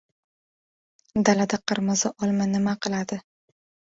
Dalada qirmizi olma nima qiladi?